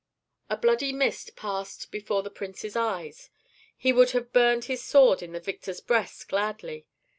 A bloody mist passed before the prince's eyes; he would have buried his sword in the victor's breast gladly.